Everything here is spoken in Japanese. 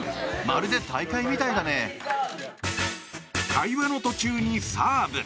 会話の途中にサーブ。